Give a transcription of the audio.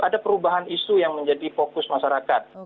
ada perubahan isu yang menjadi fokus masyarakat